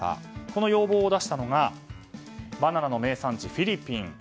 この要望を出したのがバナナの名産地、フィリピン。